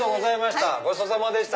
ごちそうさまでした。